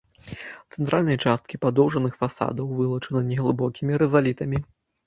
Цэнтральныя часткі падоўжных фасадаў вылучаны неглыбокімі рызалітамі.